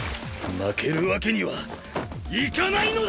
負けるわけにはいかないのだ！